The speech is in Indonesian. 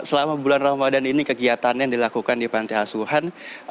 selama bulan ramadan ini kegiatan yang dilakukan di pantai asuhan